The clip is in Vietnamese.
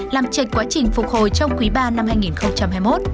làm trạch quá trình phục hồi trong quý ba năm hai nghìn hai mươi một